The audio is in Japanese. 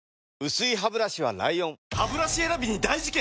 薄いハブラシは ＬＩＯＮハブラシ選びに大事件！